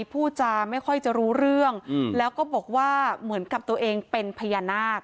พูดจาไม่ค่อยจะรู้เรื่องแล้วก็บอกว่าเหมือนกับตัวเองเป็นพญานาค